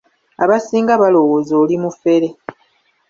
Abasinga balowooza oli mufere.